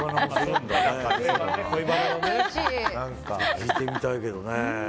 聞いてみたいけどね。